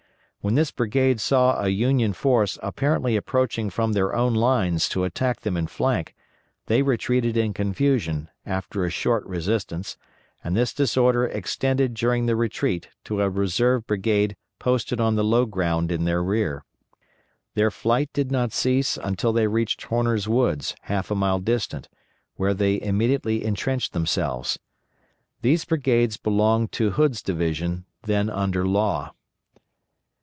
When this brigade saw a Union force apparently approaching from their own lines to attack them in flank, they retreated in confusion, after a short resistance, and this disorder extended during the retreat to a reserve brigade posted on the low ground in their rear. Their flight did not cease until they reached Horner's woods, half a mile distant, where they immediately intrenched themselves. These brigades belonged to Hood's division, then under Law.